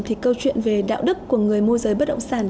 thì câu chuyện về đạo đức của người môi giới bất động sản